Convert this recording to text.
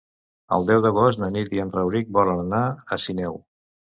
El deu d'agost na Nit i en Rauric volen anar a Sineu.